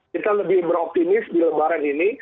kita lebih beroptimis di lebaran ini